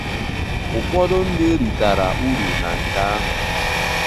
ụfọdụ ndị ritara urù na nke ahụ